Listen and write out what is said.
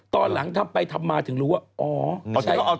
ตอนหลังทำไปทำมาถึงรู้ว่าอ๋อ